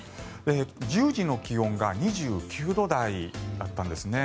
１０時の気温が２９度台だったんですね。